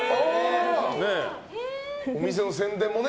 お店の宣伝もね。